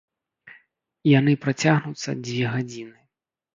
Яны працягнуцца дзве гадзіны.